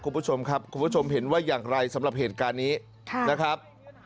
คุณผู้ชมครับคุณผู้ชมเห็นว่าอย่างไรสำหรับเหตุการณ์นี้นะครับ